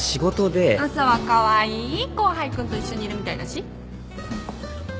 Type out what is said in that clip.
朝はカワイイ後輩君と一緒にいるみたいだし。